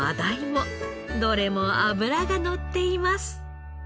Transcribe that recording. どれも脂がのっています。